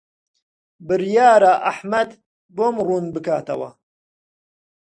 بڕیارە ئەحمەد بۆم ڕوون بکاتەوە.